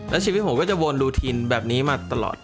และชีวิตผมก็จะวนดูทีนแบบนี้มาตลอด